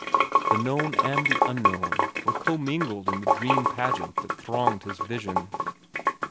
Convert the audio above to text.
The known and the unknown were commingled in the dream pageant that thronged his vision.